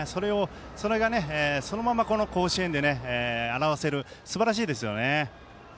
それが、そのまま甲子園で表せる、すばらしいですね。